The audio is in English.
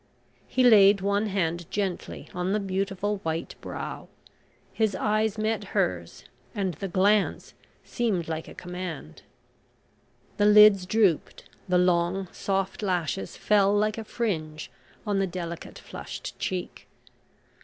He laid one hand gently on the beautiful white brow; his eyes met hers, and the glance seemed like a command. The lids drooped, the long, soft lashes fell like a fringe on the delicate, flushed cheek.